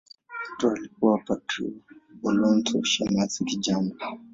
Petro alikuwa padri na Valabonso shemasi kijana.